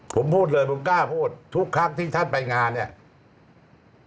ผมพูดเลยผมกล้าพูดทุกครั้งที่ท่านไปงานเนี่ย